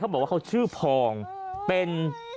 อยากได้ร่างอยู่ตรงไหน